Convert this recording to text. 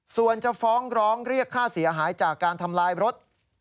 ส่วนจะฟ้องร้องเรียกค่าเสียหายจากการทำลายรถ